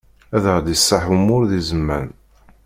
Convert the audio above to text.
Ad ɣ-d-iṣaḥ umur di zzman.